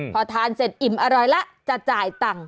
พอทานเสร็จอิ่มอร่อยแล้วจะจ่ายตังค์